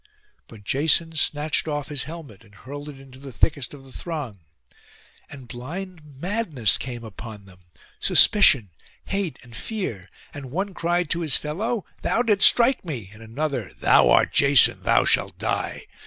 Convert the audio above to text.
But Jason snatched off his helmet, and hurled it into the thickest of the throng. And blind madness came upon them, suspicion, hate, and fear; and one cried to his fellow, 'Thou didst strike me!' and another, 'Thou art Jason; thou shalt die!